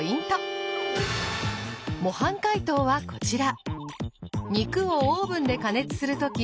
模範解答はこちら。